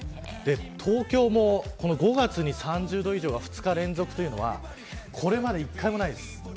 東京も５月に３０度以上が２日連続というのはこれまで１回もないです。